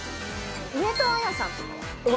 上戸彩さんとかは？